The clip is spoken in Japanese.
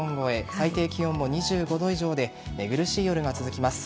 最低気温も２５度以上で寝苦しい夜が続きます。